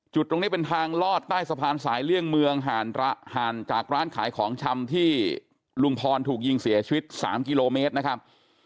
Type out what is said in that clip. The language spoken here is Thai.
ตรงนี้เป็นทางลอดใต้สะพานสายเลี่ยงเมืองห่างจากร้านขายของชำที่ลุงพรถูกยิงเสียชีวิต๓กิโลเมตรนะครับ